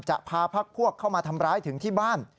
จะพาพักพวกเข้ามาทำร้ายถึงที่บ้าน